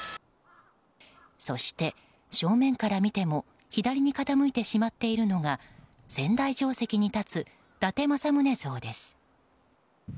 そして、正面から見ても左に傾いてしまっているのが仙台城跡に立つ伊達政宗像です。